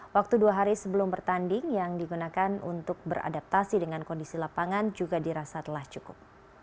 waktu dua hari sebelum bertanding yang digunakan untuk beradaptasi dengan kondisi lapangan juga dirasa telah cukup